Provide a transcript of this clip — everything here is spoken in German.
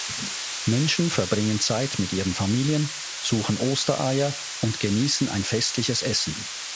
Menschen verbringen Zeit mit ihren Familien, suchen Ostereier und genießen ein festliches Essen.